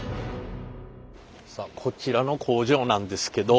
さあこちらの工場なんですけど。